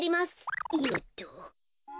よっと。